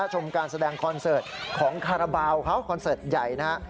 ชมการแสดงคอนเสิร์ตของคาราบาลเขาคอนเสิร์ตใหญ่นะฮะ